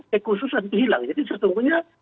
kekhususan hilang jadi sesungguhnya